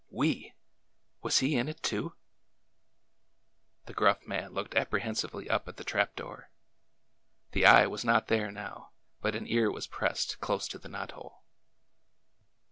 Wei Was he in it, too? A DARK NIGHTS RIDE 229 The gruff man looked apprehensively up at the trap door. The eye was not there now, but an ear was pressed close to the knot hole.